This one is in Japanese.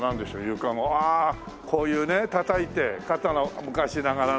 ああこういうねたたいて肩の昔ながらの。